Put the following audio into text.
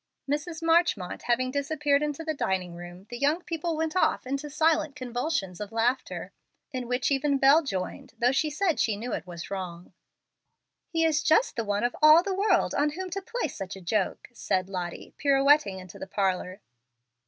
Mrs. Marchmont having disappeared into the dining room, the young people went off into silent convulsions of laughter, in which even Bel joined, though she said she knew it was wrong. "He is just the one of all the world on whom to play such a joke," said Lottie, pirouetting into the parlor.